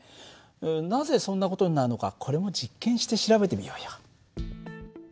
なぜそんな事になるのかこれも実験して調べてみようよ。